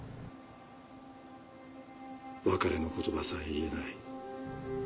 別れの言葉さえ言えない。